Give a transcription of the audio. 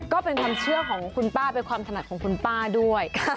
ก็เป็นความเชื่อของคุณป้าเป็นความถนัดของคุณป้าด้วย